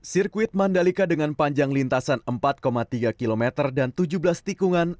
sirkuit mandalika dengan panjang lintasan empat tiga km dan tujuh belas tikungan